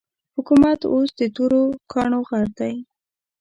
حکومت اوس د تورو کاڼو غر دی.